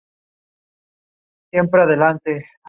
Almendralejo, provincia de Badajoz, España.